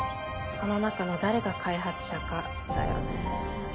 この中の誰が開発者かだよね。